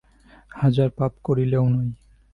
হাজার পাপ করিলেও নয়।